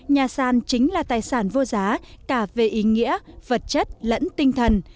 nhà sàn chính là tài sản vô giá cả về ý nghĩa vật chất lẫn tinh thần